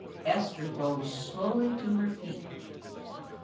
'" Esther rose slowly to her feet.